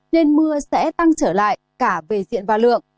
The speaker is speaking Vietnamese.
nên mưa sẽ tăng trở lại cả về diện và lượng